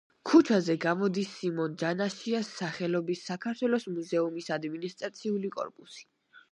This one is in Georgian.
ქუჩაზე გამოდის სიმონ ჯანაშიას სახელობის საქართველოს მუზეუმის ადმინისტრაციული კორპუსი.